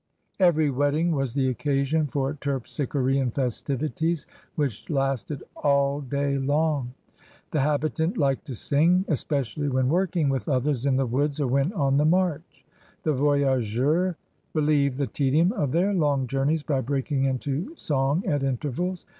Every wedding was the occasion for terpsichorean festivities which lasted all day long. The habitant liked to sing, especially when work ing with others in the woods or when on the march. The voyageurs relieved the tedium of their long journeys by breaking into song at intervals.